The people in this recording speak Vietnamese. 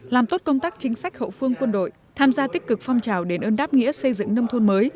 làm tốt công tác chính sách hậu phương quân đội tham gia tích cực phong trào đền ơn đáp nghĩa xây dựng nông thôn mới